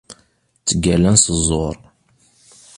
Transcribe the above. Ttgallan s ẓẓur.